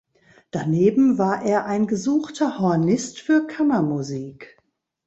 Daneben war er ein gesuchter Hornist für Kammermusik.